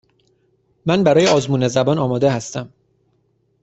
من برای آزمون زبان آماده هستم.